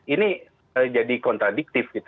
ini jadi kontradiktif